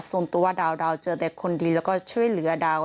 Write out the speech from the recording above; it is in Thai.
ส่วนตัวดาวเจอแต่คนดีแล้วก็ช่วยเหลือดาว